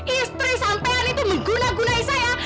istri sampean itu mengguna gunai saya